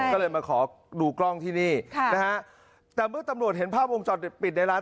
ก็เลยมาขอดูกล้องที่นี่ค่ะนะฮะแต่เมื่อตำรวจเห็นภาพวงจรปิดปิดในร้าน